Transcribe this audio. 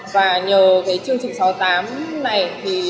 và nhờ chương trình sáu mươi tám này